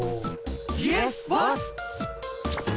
イエスボス！